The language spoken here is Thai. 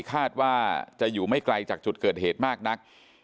คาดว่าจะอยู่ไม่ไกลจากจุดเกิดเหตุมากนัก